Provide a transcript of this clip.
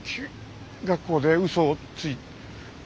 学校でうそをついて。